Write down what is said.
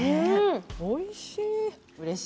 おいしい。